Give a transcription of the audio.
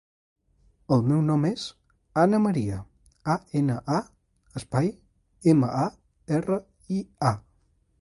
El meu nom és Ana maria: a, ena, a, espai, ema, a, erra, i, a.